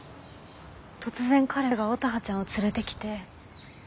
突然彼が乙葉ちゃんを連れてきて。